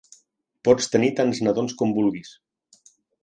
Pots tenir tants nadons com vulguis.